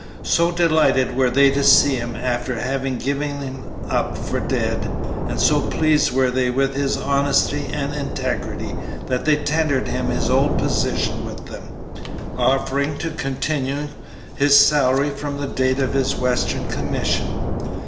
So delighted were they to see him after having given him up for dead, and so pleased were they with his honesty and integrity that they tendered him his old position with them, offering to continue his salary from the date of his western commission.